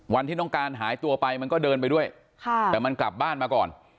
วันที่น้องการหายตัวไปมันก็เดินไปด้วยแต่มันกลับบ้านมาก่อน